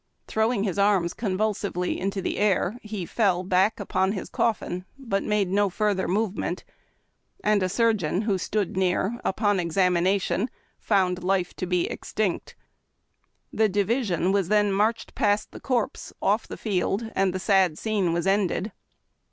Throwing his arms convulsively into the air, he fell back upon his coffin but made no farther movement, and a surgeon who stood near, upon examination, found life to be extinct. The division was then marched past the corpse, off the field, and the sad scene was ended.